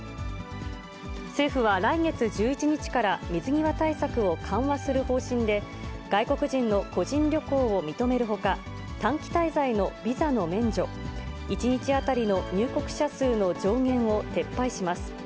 政府は来月１１日から、水際対策を緩和する方針で、外国人の個人旅行を認めるほか、短期滞在のビザの免除、１日当たりの入国者数の上限を撤廃します。